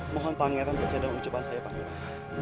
mohon pangeran percaya dalam ucapan saya pangeran